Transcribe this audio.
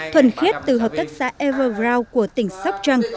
thuần khiết từ hợp tác xã evergrow của tỉnh sóc trăng